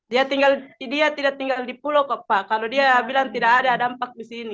dia tinggal dia tidak tinggal di pulau kok pak kalau dia bilang tidak ada dampak di sini